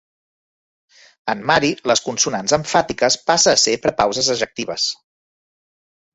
En mahri, les consonants emfàtiques passe a ser prepauses ejectives.